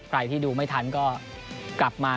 ใครที่ดูไม่ทันก็กลับมา